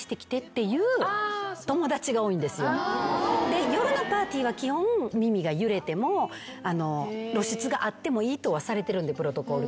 で夜のパーティーは基本耳が揺れても露出があってもいいとはされてるんでプロトコール的に。